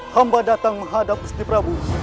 hamba datang menghadap usti prabu